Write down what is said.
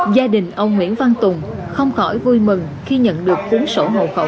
gia đình ông nguyễn văn tùng không khỏi vui mừng khi nhận được cuốn sổ hộ khẩu